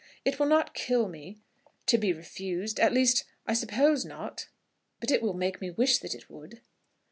It will not kill me to be refused; at least, I suppose not. But it will make me wish that it would."